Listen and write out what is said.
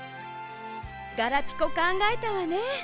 ガラピコかんがえたわね。